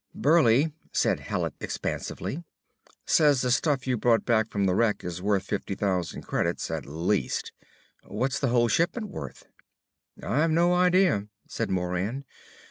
"Burleigh," said Hallet expansively, "says the stuff you brought back from the wreck is worth fifty thousand credits, at least. What's the whole shipment worth?" "I've no idea," said Moran.